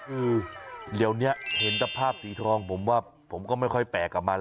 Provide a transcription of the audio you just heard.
คือเดี๋ยวนี้เห็นแต่ภาพสีทองผมว่าผมก็ไม่ค่อยแปลกกับมัน